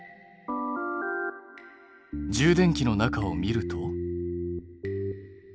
充電器の中を見ると。